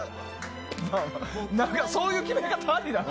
そういう決め方ありなん？